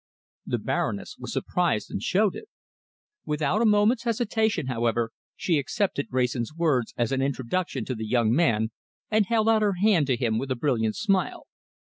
The Baroness was surprised, and showed it. Without a moment's hesitation, however, she accepted Wrayson's words as an introduction to the young man, and held out her hand to him with a brilliant smile.